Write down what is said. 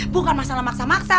bukan masalah maksa maksa